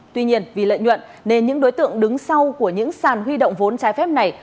tuy nhiên vì lợi nhuận nên những đối tượng đứng sau của những sàn huy động vốn trái phép này